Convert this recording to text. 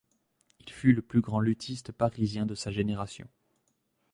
Il fut le plus grand luthiste parisien de sa génération.